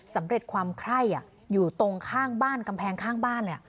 สำเร็จความไคร้อยู่ตรงข้างบ้านกำแพงข้างบ้าน